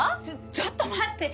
ちょっと待って！